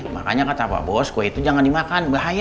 makanya kata pak bos kue itu jangan dimakan bahaya